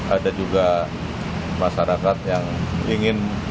ada juga masyarakat yang ingin